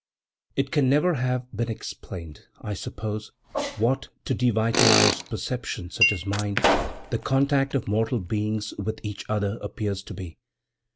*It can never have been explained, I suppose, what, to devitalized perception such as mine, the contact of mortal beings with each other appears to be.